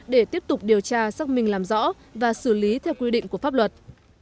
để tiếp tục điều tra xác minh làm rõ và xử lý theo quy định của pháp luật